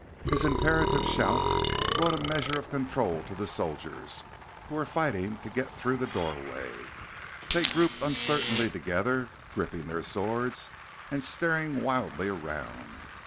His imperative shout brought a measure of control to the soldiers, who were fighting to get through the doorway. They grouped uncertainly together, gripping their swords and staring wildly around.